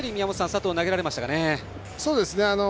佐藤は投げられましたかね？